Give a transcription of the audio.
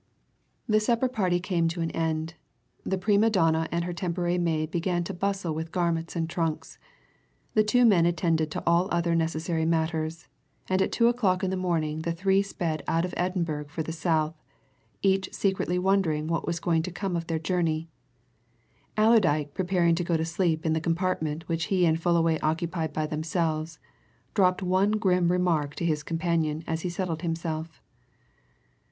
The supper party came to an end the prima donna and her temporary maid began to bustle with garments and trunks, the two men attended to all other necessary matters, and at two o'clock in the morning the three sped out of Edinburgh for the South, each secretly wondering what was going to come of their journey. Allerdyke, preparing to go to sleep in the compartment which he and Fullaway occupied by themselves, dropped one grim remark to his companion as he settled himself.